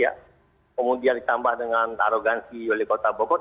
kemudian ditambah dengan aroganci oleh kota bogor